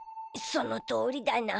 そのとおりだな。